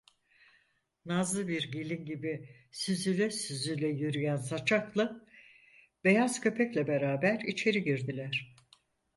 Nazlı bir gelin gibi süzüle süzüle yürüyen saçaklı, beyaz köpekle beraber içeri girdiler.